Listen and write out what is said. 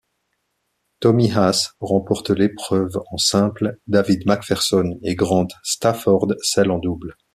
Tommy Haas remporte l'épreuve en simple, David Macpherson et Grant Stafford celle en double.